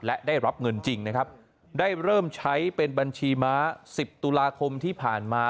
และได้รับเงินจริงนะครับได้เริ่มใช้เป็นบัญชีม้า๑๐ตุลาคมที่ผ่านมา